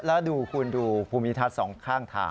แล้วดูคุณดูภูมิทัศน์สองข้างทาง